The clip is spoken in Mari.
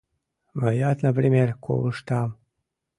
Мыят, например, колыштам...